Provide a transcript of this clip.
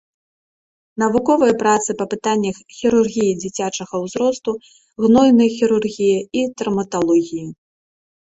Навуковыя працы па пытаннях хірургіі дзіцячага ўзросту, гнойнай хірургіі і траўматалогіі.